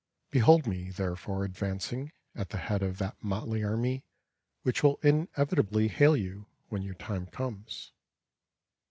Behold me, therefore, advancing At the head of that motley army Which will inevitably hail you When your time comes.